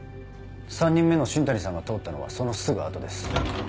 ３人目の新谷さんが通ったのはそのすぐ後です。